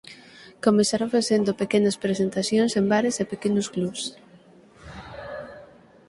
Comezaron facendo pequenas presentacións en bares e pequenos clubs.